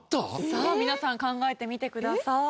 さあ皆さん考えてみてください。